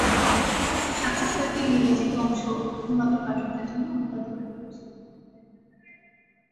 সাক্ষাৎকারটির নির্বাচিত অংশ প্রথম আলোর পাঠকদের জন্য অনুবাদ করে প্রকাশিত হলো।